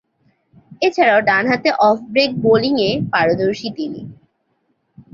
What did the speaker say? এছাড়াও, ডানহাতে off break বোলিংয়ে পারদর্শী তিনি।